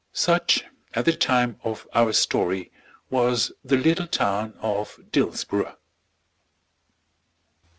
Such, at the time of our story, was the little town of Dillsborough.